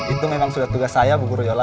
itu memang sudah tugas saya bu guruyola